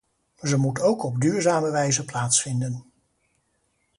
Ze moet ook op duurzame wijze plaatsvinden.